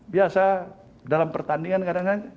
biasa dalam pertandingan kadang kadang